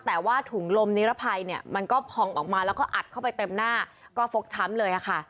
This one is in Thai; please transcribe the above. แต่ว่าถุงลมนิรภัยเนี่ยมันก็พองออกมาแล้วก็อัดเข้าไปเต็มหน้าก็ฟกช้ำเลยค่ะ